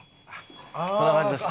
こんな感じです